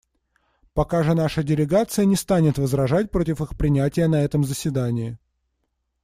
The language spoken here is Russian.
Пока же наша делегация не станет возражать против их принятия на этом заседании.